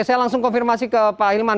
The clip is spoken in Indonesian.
saya langsung konfirmasi ke pak hilman